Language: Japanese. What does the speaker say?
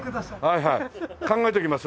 はいはい考えときますわ。